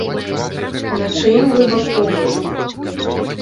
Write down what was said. На чыім вы баку вы?